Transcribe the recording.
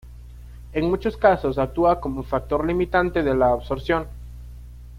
En muchos casos actúa como factor limitante de la absorción.